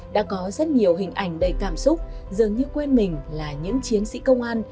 đã có rất nhiều hình ảnh đầy cảm xúc dường như quên mình là những chiến sĩ công an